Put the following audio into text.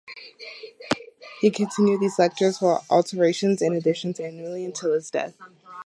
He continued these lectures with alterations and additions annually till his death.